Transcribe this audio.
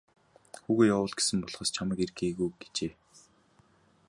Хүүгээ явуул гэсэн болохоос чамайг ир гээгүй гэжээ.